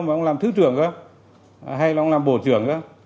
mà ông làm thứ trưởng đó hay là ông làm bộ trưởng đó